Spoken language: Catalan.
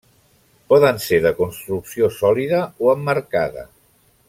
Poden ser de construcció sòlida o emmarcada.